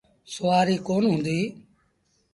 سُوآريٚ ڪونا هُݩديٚ۔